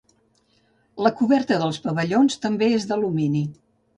La coberta dels pavellons també és d'alumini.